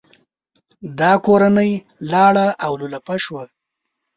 دا کورنۍ لاړه او لولپه شوه.